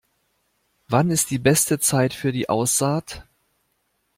Wann ist die beste Zeit für die Aussaat?